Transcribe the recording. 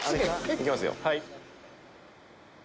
いきますよ。